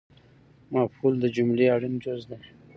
مفعول د جملې اړین جز دئ